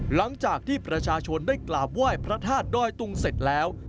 หลังจากที่ประชาชนได้กราบไหว้พระธาตุดอยตุงเสร็จแล้ว